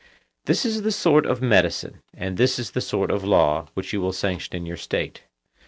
This is the sort of medicine, and this is the sort of law, which you will sanction in your state.